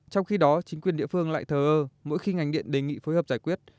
trong khi đó chính quyền địa phương lại thờ ơ mỗi khi ngành điện đề nghị phối hợp giải quyết